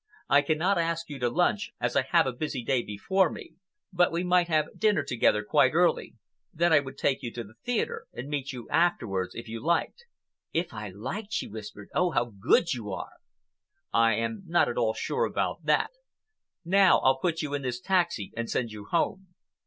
"I cannot ask you to lunch, as I have a busy day before me, but we might have dinner together quite early. Then I would take you to the theatre and meet you afterwards, if you liked." "If I liked!" she whispered. "Oh, how good you are." "I am not at all sure about that. Now I'll put you in this taxi and send you home."